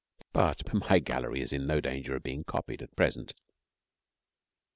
But my gallery is in no danger of being copied at present.